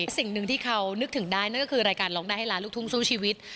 สิ่งหนึ่งที่เขานึกถึงได้นั่นก็คือรายการร้องได้ให้ล้านลูกทุ่งสู้ชีวิต